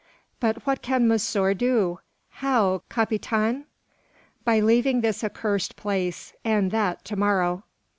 "But what can monsieur do? How, capitaine?" "By leaving this accursed place, and that to morrow."